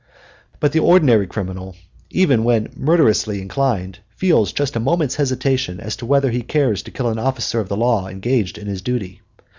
But the ordinary criminal, even when murderously inclined, feels just a moment's hesitation as to whether he cares to kill an officer of the law engaged in his duty.